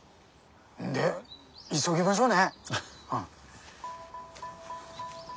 んで急ぎましょうね。